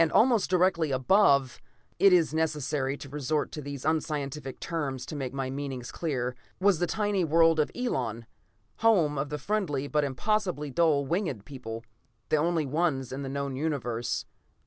Almost directly above it is necessary to resort to these unscientific terms to make my meaning clear was the tiny world Elon, home of the friendly but impossibly dull winged people, the only ones in the known Universe.